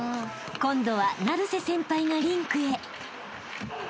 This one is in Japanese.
［今度は成瀬先輩がリンクへ］